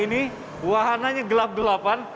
ini wahananya gelap gelapan